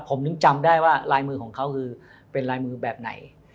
ผมถึงจำได้ว่าลายมือของเขาคือเป็นลายมือแบบไหน